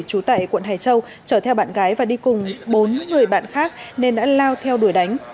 trú tại quận hải châu chở theo bạn gái và đi cùng bốn người bạn khác nên đã lao theo đuổi đánh